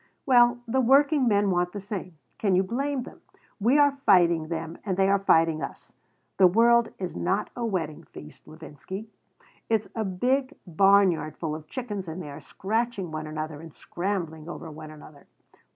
"Well, the working men want the same. Can you blame them? We are fighting them and they are fighting us. The world is not a wedding feast, Levinsky. It is a big barn yard full of chickens and they are scratching one another, and scrambling over one another.